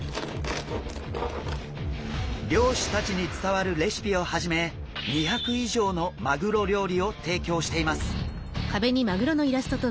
漁師たちに伝わるレシピをはじめ２００以上のマグロ料理を提供しています。